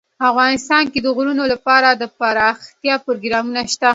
افغانستان کې د غرونه لپاره دپرمختیا پروګرامونه شته.